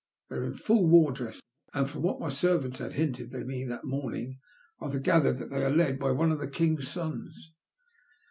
They were in fall war dress, and from what my servants had hinted to me that morning, I gathered that they are led by one of the king's sons."